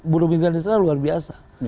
buru migran di sana luar biasa